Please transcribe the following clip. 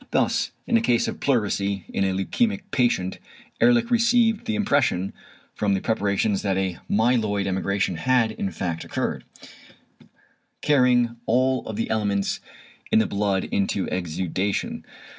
Thus in a case of pleurisy in a leukæmic patient, Ehrlich received the impression from the preparations that a "myeloid" emigration had in fact occurred, carrying all the elements in the blood into the exudation.